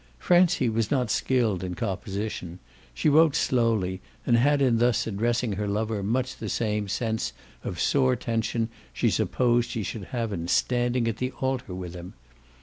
Francie was not skilled in composition; she wrote slowly and had in thus addressing her lover much the same sense of sore tension she supposed she should have in standing at the altar with him.